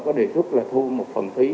có đề xuất là thu một phần phí